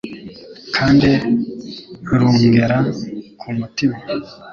kandi rungera ku mutima.